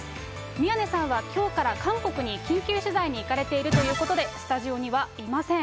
宮根さんはきょうから韓国に緊急取材に行かれているということで、スタジオにはいません。